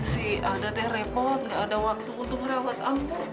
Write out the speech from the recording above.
si alda repot nggak ada waktu untuk merawat ambo